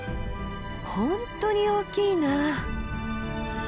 本当に大きいな。